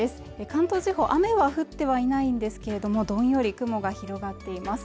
関東地方雨は降ってはいないんですけれどもどんより雲が広がっています